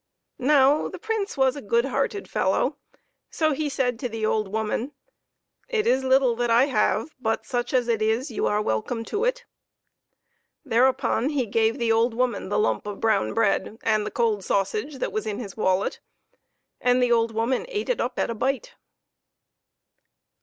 Now the Prince was a good hearted fellow, so he said to the old woman, " It is little I have, but such as it is you are welcome to it." Thereupon he gave the old woman the lump of brown bread and the cold sausage that was in his wallet, and the old woman ate it up at a bite.